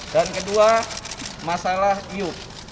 dan kedua masalah iup